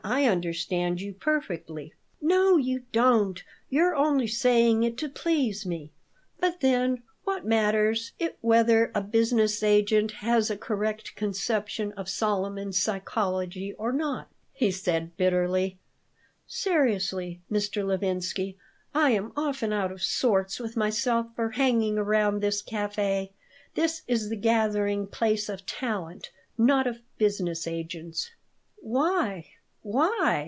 "I understand you perfectly." "No, you don't. You're only saying it to please me. But then what matters it whether a business agent has a correct conception of Solomon's psychology or not?" he said, bitterly. "Seriously, Mr. Levinsky, I am often out of sorts with myself for hanging around this café. This is the gathering place of talent, not of business agents." "Why? Why?"